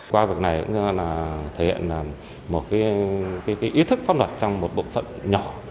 qua việc này cũng là thể hiện một cái ý thức pháp luật trong một bộ phận nhỏ